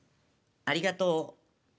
ありがとう。